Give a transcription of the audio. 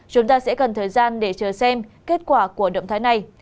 chúng ta sẽ cần thời gian để chờ xem kết quả của động thái này